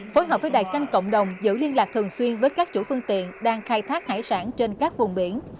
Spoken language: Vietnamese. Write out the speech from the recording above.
phối hợp với đài tranh cộng đồng giữ liên lạc thường xuyên với các chủ phương tiện đang khai thác hải sản trên các vùng biển